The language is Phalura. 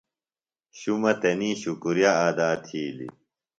شُمہ تنی شُکریہ ادا تھِیلیۡ۔